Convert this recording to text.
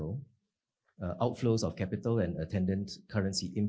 pengalaman capital dan penggunaan